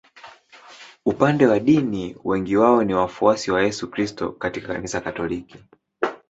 Upande wa dini wengi wao ni wafuasi wa Yesu Kristo katika Kanisa Katoliki.